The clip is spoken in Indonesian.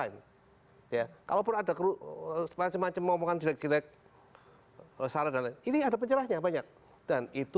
yang jahat juga banyak gak